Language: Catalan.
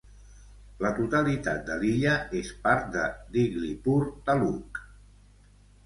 La totalitat de l'illa és part de Diglipur Taluk.